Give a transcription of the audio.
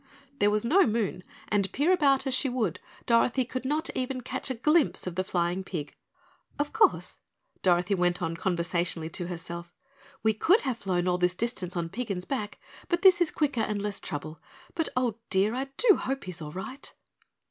There was no moon, and peer about as she would, Dorothy could not even catch a glimpse of the flying pig. "Of course," Dorothy went on conversationally to herself, "we could have flown all this distance on Piggin's back, but this is quicker and less trouble, but oh, dear, I do hope he's all right."